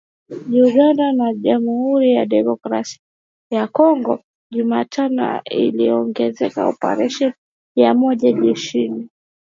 Uganda na Jamhuri ya Kidemokrasi ya Kongo Jumatano ziliongeza operesheni ya pamoja ya kijeshi.